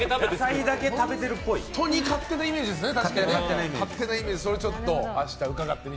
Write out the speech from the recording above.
本当に勝手なイメージですね。